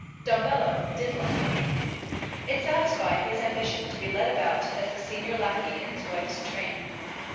Dumbello did like it. It satisfied his ambition to be led about as the senior lacquey in his wife's train.